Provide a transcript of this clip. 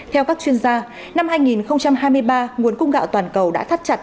theo các chuyên gia năm hai nghìn hai mươi ba nguồn cung gạo toàn cầu đã thắt chặt